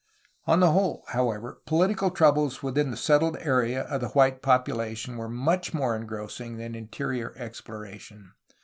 On the whole, however, poHtical troubles within the settled area of the white population were much more engrossing than interior exploration.